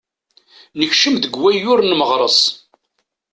Nekcem deg waggur n meɣres.